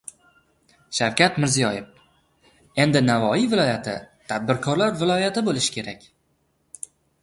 Shavkat Mirziyoyev: «Endi Navoiy viloyati — tadbirkorlar viloyati bo‘lishi kerak»